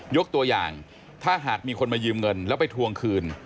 ยกตัวอย่างถ้าหากมีคนมายืมเงินแล้วไปทวงคืน